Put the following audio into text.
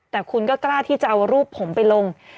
แต่คุณก็กล้าที่จะเอารูปผมไปลง